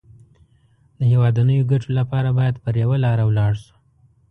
د هېوادنيو ګټو لپاره بايد پر يوه لاره ولاړ شو.